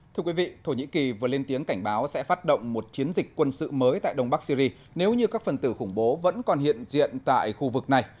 thưa quý vị thổ nhĩ kỳ vừa lên tiếng cảnh báo sẽ phát động một chiến dịch quân sự mới tại đông bắc syri nếu như các phần tử khủng bố vẫn còn hiện diện tại khu vực này